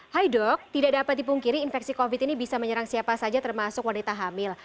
hai dok tidak dapat dipungkiri infeksi covid ini bisa menyerang siapa saja termasuk wanita hamil